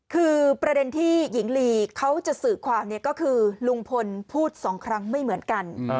คือประเด็นที่หญิงลีเขาจะสื่อความเนี่ยก็คือลุงพลพูดสองครั้งไม่เหมือนกัน